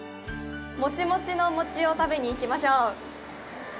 もちもちの餅を食べに行きましょう。